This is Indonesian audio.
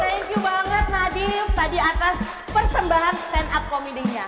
thank you banget nadif tadi atas persembahan stand up comedy nya